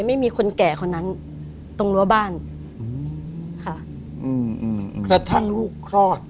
ไม่มีคนแก่คนนั้นตรงรั้วบ้านอืมค่ะอืมกระทั่งลูกคลอด